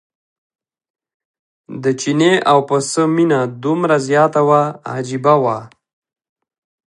د چیني او پسه مینه دومره زیاته وه عجیبه وه.